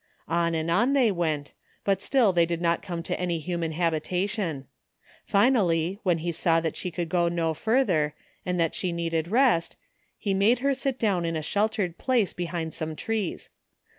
On and on they went, but still they did not come to any human habita tion. Finally, when he saw that she could go no further, and that she needed rest, he made her sit down in a sheltered place behind some trees.